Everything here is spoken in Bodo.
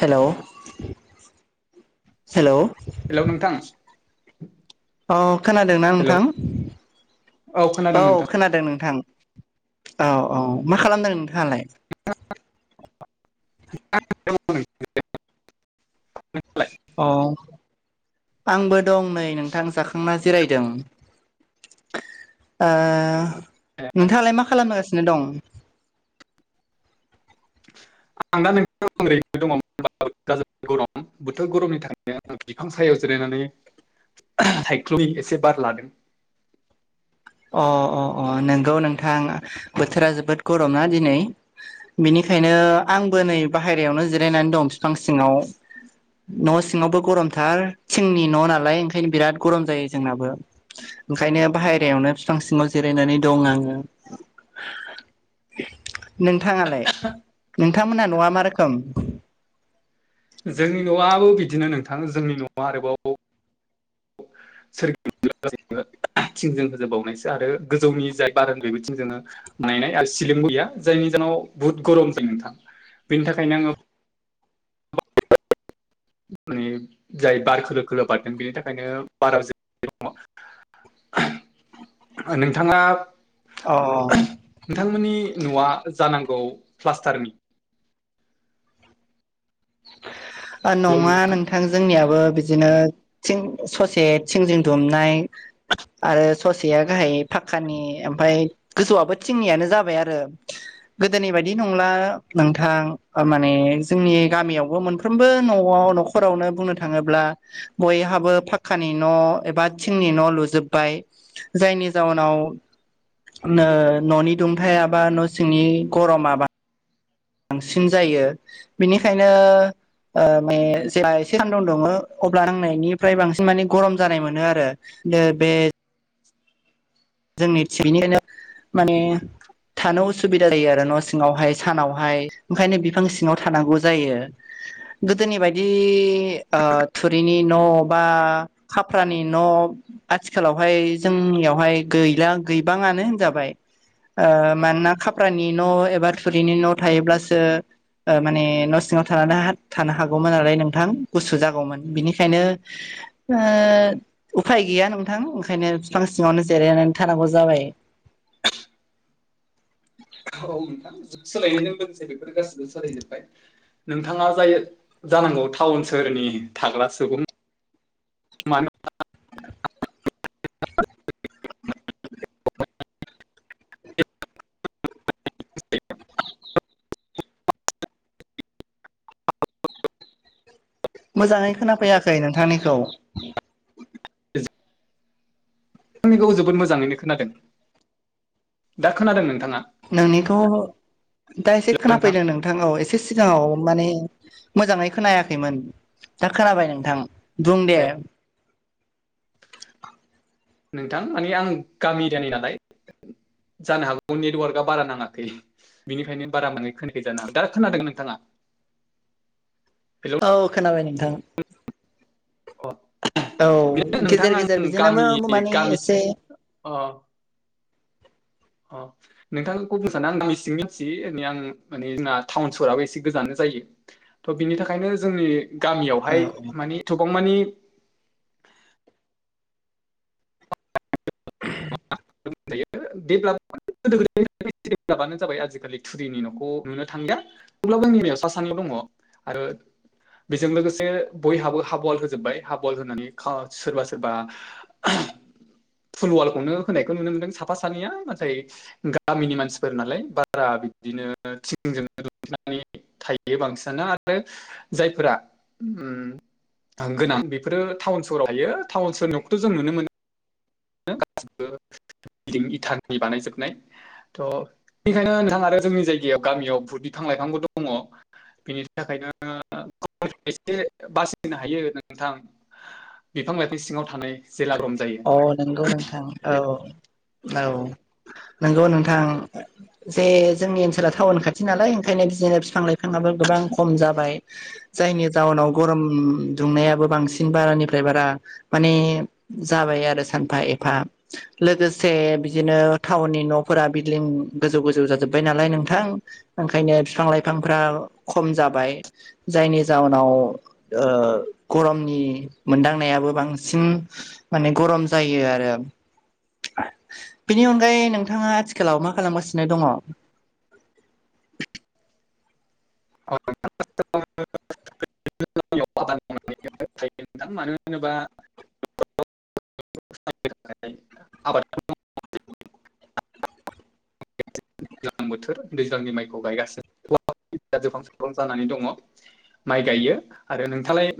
हेलौ हेलौ हेलौ नोंथां औ खोनादोंना हेलौ नोंथां खोनादों औ नोंथां खोनादों नोंथां औ औ मा खालामदों नोंथांआलाय [inaudible] [inaudible] अ आंबो दं नै नोंथां जाखांना जिरायदों ओ नोंथाङालाय मा खालामगासिनो दं? आं दा [inaudible] गाज्रि गरम बोथोर गरमनि थाखायनो आं बिफां सायायाव जिरायनानै। सायख्ल'नि एसे बार लादों। अ अ अ नोंगौ नोंथां बोथोरा जोबोद गरम ना दिनै बिनिखायनो आंबो नै बाहेरायावनो जिरायनानै दं बिफां सिङाव न' सिङावबो गरमथार थिंनि न' नालाय ओंखायनो बिराद गरम जायो जोंनाबो ओंखायनो बाहेरायावनो बिफां सिङाव जिरायनानै दं आङो नोंथाङालाय-नोंथांमोनहा न'आ मा रोखोम? जोंनि न'आबो बिदिनो नोंथां जोंनि न'आ आरोबाव। [inaudible] थिंजों होजोबावनायसो आरो गोजौनि जाय बार [inaudible] बोथिं जोङो। नायनाय आरो सिलिं गैया जायनि जनाव बुहुत गरम जायो नोंथां बेनि थाखायनो आङो। माने जाय बार खोलो-खोलो बारदों बेनि थाखायनो बाराव जिरा दङ'। [unintelligible] नोंथाङा। अ। नोंथांमोननि न'आ जानांगौ प्लास्टारनि। हेलौ नङा नोंथां नोंथा। जोंनियाबो बिदिनो थिं ससे थिंजों दुमनाय। आरो ससेया गाहाय फाखक्कानि ओमफाय। गोजौआबो थिंनियानो जाबाय आरो। गोदोनि बायदि नंला नोंथां माने जोंनि गामियाव। मोनफ्रोमबो न'आव -न'खरावनो बुंनो थाङोब्ला। बयहाबो फाख्खानि न' एबा थिंनि न' लुजोब्बाय। जायनि जाउनाव। ओ न'नि दुंथायाबा न' सिंनि गरमा बां। बांसिन जायो बेनिखायनो। ओ मे जा एसे सान्दुं दुङो अब्ला नायनिफ्राय बांसिन माने गरम जानाय मोनो आरो। दो बे। जोंनि थिगैनिनो माने। थानो उसुबिदा जायो आरो न' सिङावहाय सानावहाय ओंखायनो बिफां सिङाव थानांगौ जायो। गोदोनि बायदि ओ थुरिनि न' बा। खाफ्रानि न' आथिखालावहाय जोंनियावहाय। गैला गैबाङानो होनजाबाय। ओ मानोना खाफ्रानि न' एबा थुरिनि न' थायोब्लासो। ओ माने न' सिङाव थानानै थानो हागौमोन नालाय नोंथां गुसु जागौमोन बिनिखायनो। ओ उफाय गैया नोंथां ओंखायनो बिफां सिङावनो जिरायनानै थानांगौ जाबाय‌। औ- औ नोंथां जुग सोलायनायजों लोगोसे बेफोर गासिबो सोलायजोबबाय। नोंथाङा जाय जानांगौ थाउन सोहोरनि थाग्रा सुबुं। मानो। [unintelligible] [unintelligible] मोजाङै खोनाफैयाखै नोंथांनिखौ। [unintelligible] आंनिखौ जोबोद मोजाङैनो खोनादों दा खोनादों नोंथाङा? नोंनिखौ दा एसे हेलौ नोंथां खोनाफैदों नों। नोंथाङाव एसे सिगाङाव माने मोजाङै खोनायाखैमोन दा खोनाबाय नोंथां। बुं ए। [unintelligible] नोंथां माने आं गामि एरियानि नालाय। जानो हागौ नेटवार्कआ बारा नाङाखै। बिनिखनो बारा माने खोनाया जानो हागौ। दा खोनादों नोंथाङा? हेलौ औ खोनाबाय नोंथां। अ औ बे नोंथां गेजेर आं गेजेर गामि बिदिनोबो माने एसे गामिसिम अह अह। नोंथांखौ बुंनो सानोा आं गंसिंनि मानसि मै आं माने जोंना टाउन सहराबो एसे गोजानानो जायो। थ' बिनि थाखायनो जोंनि गामियावहाय औ माने एथबां मानि [unintelligible] दप गोदो गोदाय जोंनि जाबाय आजिखालि थुरिनि न'खौ नुनो थांलिया। अब्लाबो आंनि मेगनाव सा सानैल' दङ आरो बेजों लोगोसे बयहाबो हाब वाल होजोब्बाय हाब वाल होनानै सोरबा सोरबा फुलवालखौनो होनायखौ नुनो मोनदों साफा सानैया नाथाय गामिनि मानसिफोर नालाय बारा बिदिनो थिंजोंनो लुफबनानै थायो बांसिनो आरो जायफोरा गोनां बेफोर टाउन सहराव हायो टाउन सहर न'खौथ' जों नुनो मोनो। गासिबो बिल्डिं इथानि बानायजोबनाय। थ' बेनिखायनो नोंथाङ आरो जोंनि जायगायाव गामियाव बुहुद बिफां लाइफांबो दङ। बेनि थाखायनोङो एसे बासिनो हायो नोंथां। बिफां लाइफां सिङाव थानाय जेला ग्रम जायो। औ नंगौ नोंथां औ औ नंगौ नोंथां। जे जोंनि ओनसोला टाउन खाथि नालाय ओंखायनो बिदिनो बिफां लाइफाङाबो गोबां खम जाबाय। जायनि जाउनाव गरम दुंनायाबो बांसिन बारानिफ्राय बारा माने जाबाय आरो सानफा एफा। लोगोसे बिदिनो टाउननि न'फोरा बिल्दिं गोजौ गोजौ जाजोब्बाय नालाय नोंथां। ओंखायनो बिफां लाइफांफ्रा खम जाबाय। जायनि जाउनाव गरमनि मोनदांनायाबो बांसिन माने गरम जायो आरो। बेनि अनगायै नोंथाङा आथिखालाव मा खालामगासिनो दङ। औ मानो होनोबा आबाद दैज्लां बोथोर दैज्लांनि माइखौ गायगासिनो। जोबफां सफां जानानै दङ माइ गायो आरो नोंथाङालाय